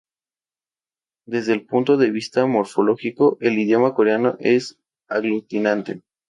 Desde el punto de vista morfológico, el idioma coreano es aglutinante.